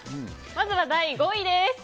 まずは第５位です。